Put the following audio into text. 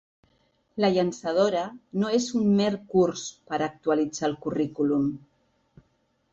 La llançadora no és un mer curs per a actualitzar el currículum.